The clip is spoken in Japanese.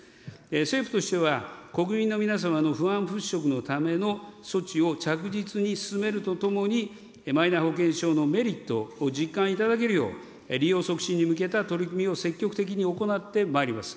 政府としては、国民の皆様の不安払拭のための措置を着実に進めるとともに、マイナ保険証のメリットを実感いただけるよう利用促進に向けた取り組みを積極的に行ってまいります。